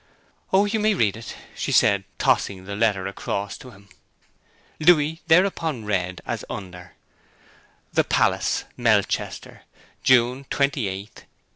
'Oh, you may read it,' she said, tossing the letter across to him. Louis thereupon read as under: 'THE PALACE, MELCHESTER, June 28, 18